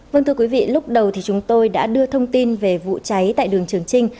vâng thưa quý vị lúc đầu thì chúng tôi đã đưa thông tin về vụ cháy tại đường trường trinh